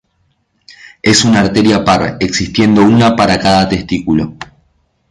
Es una arteria par, existiendo una para cada testículo.